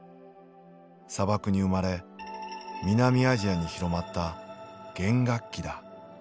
砂漠に生まれ南アジアに広まった弦楽器だ。